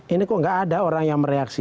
ini kok nggak ada orang yang mereaksi